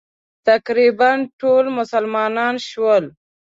تقریباً ټول مسلمانان شول.